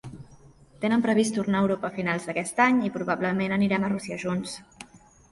Tenen previst tornar a Europa a finals d'aquest any i probablement anirem a Rússia junts.